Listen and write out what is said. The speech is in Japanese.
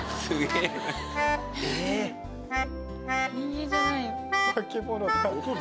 人間じゃないよ。